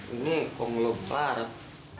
ini kau ngelupat